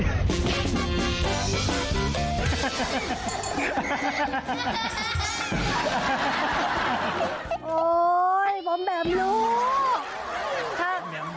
โอ๊ยผมแบบรู้